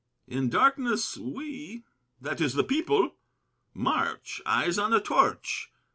In darkness, we— That is the people—march: eyes on a torch.